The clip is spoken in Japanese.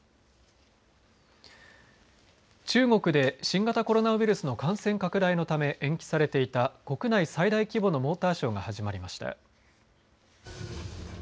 中国で新型コロナウイルスの感染拡大のため延期されていた国内最大規模のモーターショーが始まりました。